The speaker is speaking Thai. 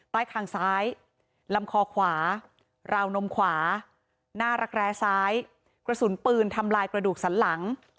คางซ้ายลำคอขวาราวนมขวาหน้ารักแร้ซ้ายกระสุนปืนทำลายกระดูกสันหลัง